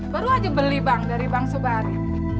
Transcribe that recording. baru aja beli bang dari pak sobari